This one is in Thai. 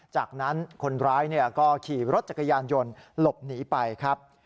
จากนั้นคนร้ายก็ขี่รถจักรยานยนต์หลบหนีไปครับ